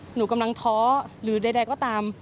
หนูกำลังท้อหรือใดก็ตาม